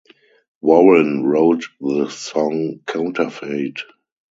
Warren wrote the song Counterfeit.